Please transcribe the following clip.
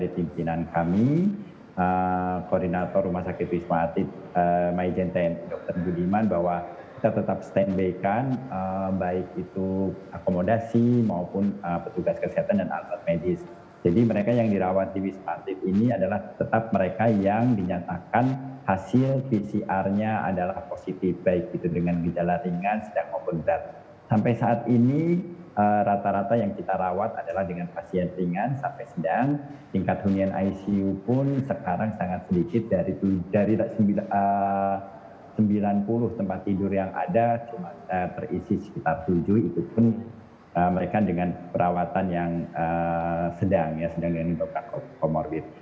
tidak boleh terjadi penumpukan massa di berbagai tempat baik di fasum maupun di fasos